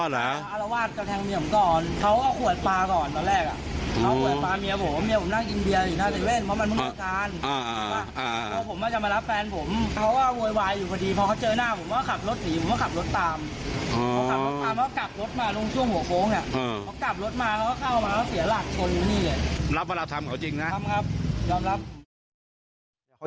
รับว่ารับทำเขาจริงนะครับ